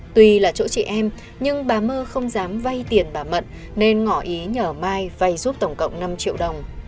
tuy là chỗ chị em nhưng bà mơ không dám vay tiền bà mận nên ngỏ ý nhờ mai vay giúp tổng cộng năm triệu đồng